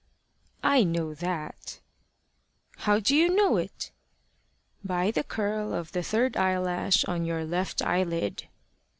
"I know that." "How do you know it?" "By the curl of the third eyelash on your left eyelid."